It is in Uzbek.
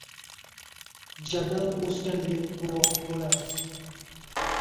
jadal o‘sganiga guvoh bo‘lamiz.